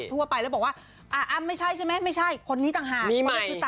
ทั่วไปแล้วบอกว่าอ้ำไม่ใช่ใช่ไหมไม่ใช่คนนี้ต่างหาก